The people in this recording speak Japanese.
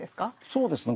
そうですね